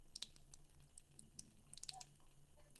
Lakini mila hii inabadilika kwa sababu wasichana wanaenda elimu ya juu